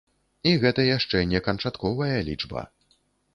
І гэта яшчэ не канчатковая лічба.